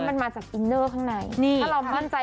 มันมาจากอินเนอร์ข้างใน